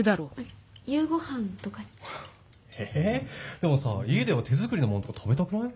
でもさ家では手作りのもんとか食べたくない？